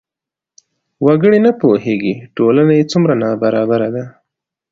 وګړي نه پوهېږي ټولنه یې څومره نابرابره ده.